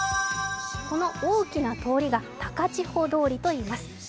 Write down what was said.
この大きな通りが高千穂通りといいます。